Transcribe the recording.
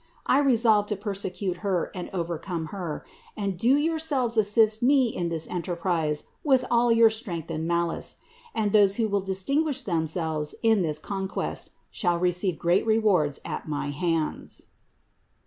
I resolve to persecute Her and overcome Her, and do you yourselves assist me in this enterprise with all your strength and malice; and those who will distinguish themselves in this conquest shall receive great rewards at my hands."